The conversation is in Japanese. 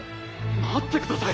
待ってください。